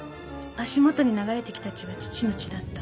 足もとに流れてきた血は父の血だった。